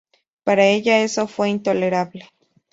Para ella eso fue intolerable.